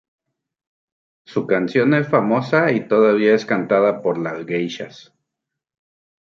Su canción es famosa y todavía es cantada por las geishas.